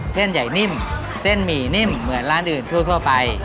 เส้นใหญ่นิ่มเส้นหมี่นิ่มเหมือนร้านอื่นทั่วไป